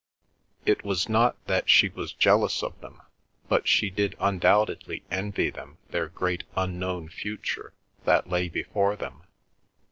It was not that she was jealous of them, but she did undoubtedly envy them their great unknown future that lay before them.